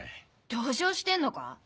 同情してんのか？